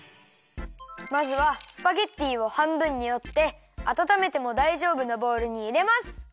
まずはスパゲッティをはんぶんにおってあたためてもだいじょうぶなボウルにいれます。